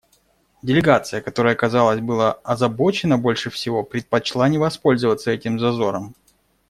Делегация, которая, казалось, была озабочена больше всего, предпочла не воспользоваться этим зазором.